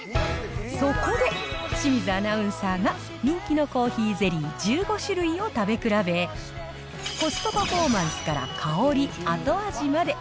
そこで、清水アナウンサーが人気のコーヒーゼリー１５種類を食べ比べ、コストパフォーマンスから香り、後味まで。